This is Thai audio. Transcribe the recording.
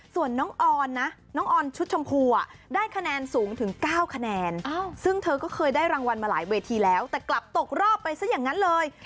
ส่วนน้องออนนะน้องออนชุดชมพูได้คะแนนสูงถึง๙คะแนนซึ่งเธอก็เคยได้รางวัลมาหลายเวทีแล้วแต่กลับตกรอบไปซะอย่างนั้นเลย